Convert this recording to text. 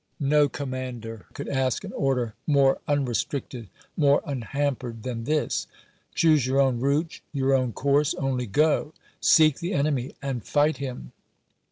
No commander could ask an order more unre stricted, more unhampered, than this. Choose your own route, your own course, only go ; seek the enemy, and fight him.